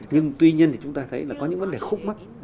nhưng tuy nhiên chúng ta thấy là có những vấn đề khúc mắt